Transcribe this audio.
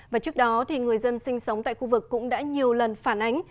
và trước đó người dân sinh sống tại khu vực cũng đã nhiều lần phản ánh